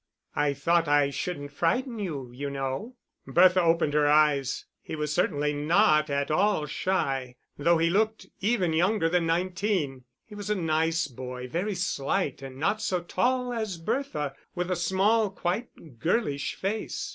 "I thought I shouldn't frighten you, you know." Bertha opened her eyes. He was certainly not at all shy, though he looked even younger than nineteen. He was a nice boy, very slight and not so tall as Bertha, with a small, quite girlish face.